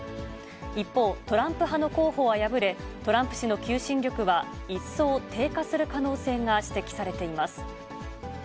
一方、トランプ派の候補は破れ、トランプ氏の求心力は一層低下する可能性が指摘されています。